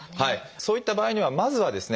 そういった場合にはまずはですね